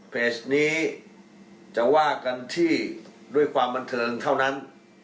เพจนี้จะว่ากันที่ด้วยความบันเทิงเท่านั้น